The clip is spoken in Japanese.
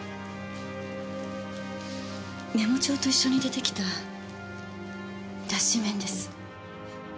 メモ帳と一緒に出てきた脱脂綿です。